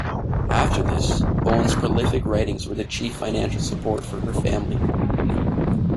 After this, Bowen's prolific writings were the chief financial support for her family.